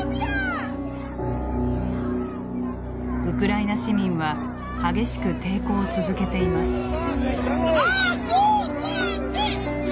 ウクライナ市民は激しく抵抗を続けています。